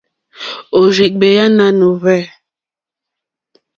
Òrzìɡbèá nánù hwɛ̂.